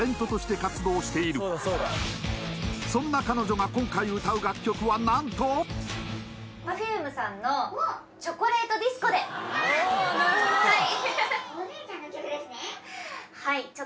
そんな彼女が今回歌う楽曲は何とわスゴーい！